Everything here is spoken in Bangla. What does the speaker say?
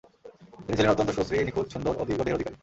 তিনি ছিলেন অত্যন্ত সুশ্রী, নিখুঁত সুন্দর ও দীর্ঘ দেহের অধিকারী।